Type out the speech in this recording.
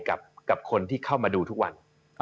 กับคนที่เข้ามาดูทุกวัน